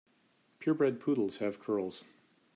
Pure bred poodles have curls.